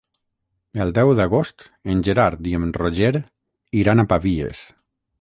El deu d'agost en Gerard i en Roger iran a Pavies.